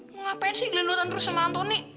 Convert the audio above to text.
lu ngapain sih ngelindutan terus sama antoni